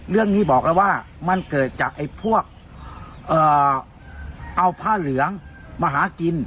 เรื่องนี้บอกแล้วว่ามันเกิดจากไอ้พวกเอาผ้าเหลืองมาหากิน